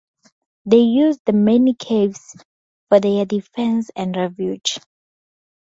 They used the many caves for their defense and refuge.